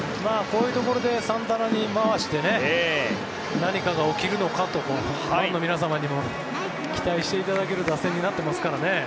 こういうところでサンタナに回して何かが起きるのかとファンの皆様にも期待していただける打線になってますからね。